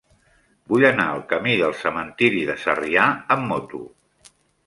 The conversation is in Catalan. Vull anar al camí del Cementiri de Sarrià amb moto.